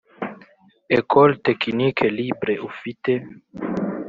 Ecole technique libre ufite